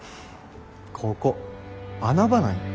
ここ穴場なんよ。